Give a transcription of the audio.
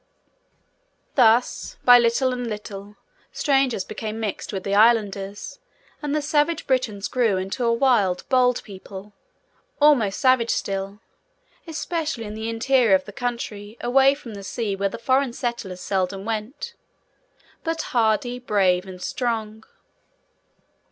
Thus, by little and little, strangers became mixed with the Islanders, and the savage Britons grew into a wild, bold people; almost savage, still, especially in the interior of the country away from the sea where the foreign settlers seldom went; but hardy, brave, and strong.